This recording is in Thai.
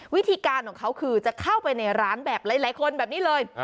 วิธีการของเขาคือจะเข้าไปในร้านแบบหลายคนแบบนี้เลย